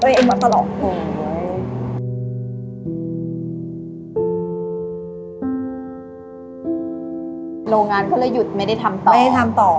โรงงานก็เลยยึดไม่ได้ทำต่อ